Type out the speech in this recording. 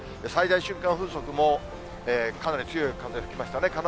最大瞬間風速も、かなり強い風吹きましたね。